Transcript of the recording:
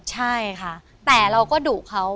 ใช่ค่ะแต่เราก็ดุเขา